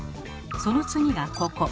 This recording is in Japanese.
その次がここ。